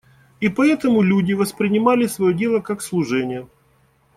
И поэтому люди воспринимали свое дело как служение.